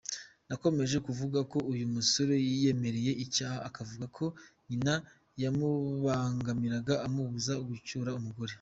Yakomeje avuga ko uyu musore yiyemerera icyaha, akavuga ko nyina yamubangamiraga amubuza gucyura abagore.